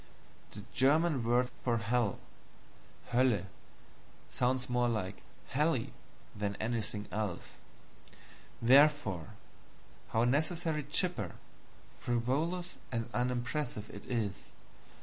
The German word for hell Hoelle sounds more like HELLY than anything else; therefore, how necessarily chipper, frivolous, and unimpressive it is.